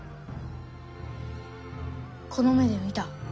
この目で見た。